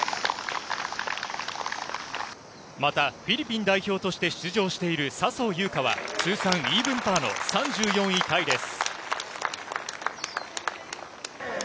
またフィリピン代表として出場している笹生優花は、通算イーブンパーの３４位タイです。